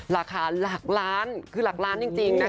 ราคาหลักล้านคือหลักล้านจริงนะคะ